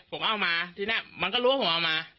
ผมเอามาทีนี้มันก็รู้ว่าผมเอามา